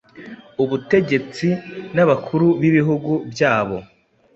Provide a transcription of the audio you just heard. Ubutegetsi nabakuru bibihugu byabo